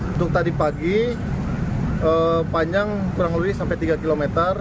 untuk tadi pagi panjang kurang lebih sampai tiga km